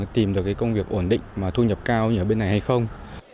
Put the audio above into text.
tìm được cái công việc ổn định mà thu nhập cao như ở bên này hay không